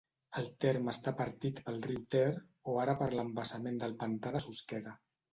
El terme està partit pel riu Ter o ara per l'embassament del pantà de Susqueda.